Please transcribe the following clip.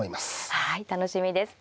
はい楽しみです。